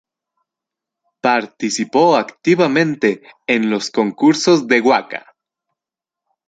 Participó activamente en los concursos de waka.